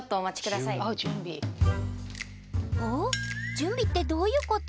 準備ってどういうこと？